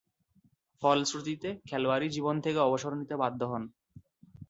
ফলশ্রুতিতে খেলোয়াড়ী জীবন থেকে অবসর নিতে বাধ্য হন।